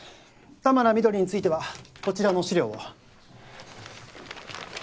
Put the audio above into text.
玉名翠についてはこちらの資料を。